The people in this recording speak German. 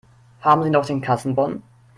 Haben Sie noch den Kassenbon?